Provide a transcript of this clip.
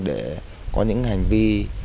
để có những hành vi